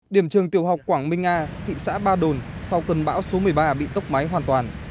điểm trường tiểu học quảng minh a thị xã ba đồn sau cơn bão số một mươi ba bị tốc máy hoàn toàn